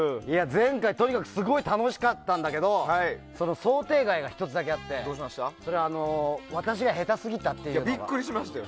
前回、とにかくすごい楽しかったんだけど想定外が１つだけあってビックリしましたよ。